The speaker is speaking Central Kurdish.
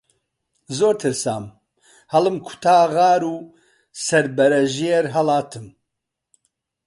زۆر ترسام، هەڵمکوتا غار و سەربەرەژێر هەڵاتم